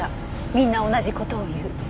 「みんな同じことを言う」